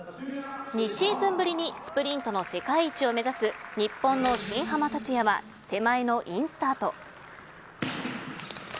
２シーズンぶりにスプリントの世界一を目指す日本の新濱立也は手前のインスタート。